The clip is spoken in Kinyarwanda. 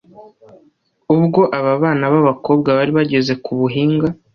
ubwo aba bana b’abakobwa bari bageze ku Buhinga